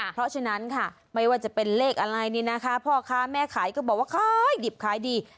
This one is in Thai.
เพราะฉะนั้นค่ะไม่ว่าจะเป็นเลขอะไรนี่นะคะพ่อค้าแม่ขายก็บอกว่าขายดิบขายดี